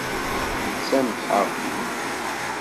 Sameḥ-aɣ.